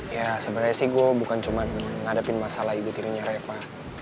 ya sebenarnya sih gue bukan cuma ngadepin masalah ibu tirinya reva